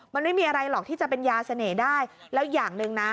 มันไม่มีอะไรหรอกที่จะเป็นยาเสน่ห์ได้แล้วอย่างหนึ่งนะ